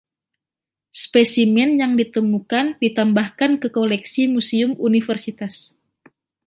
Spesimen yang ditemukan ditambahkan ke koleksi museum Universitas.